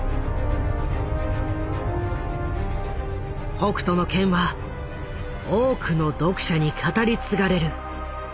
「北斗の拳」は多くの読者に語り継がれる伝説となった。